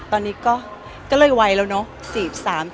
ตอนนี้ก็เลยไวแล้วเนอะ